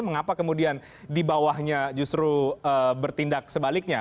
mengapa kemudian dibawahnya justru bertindak sebaliknya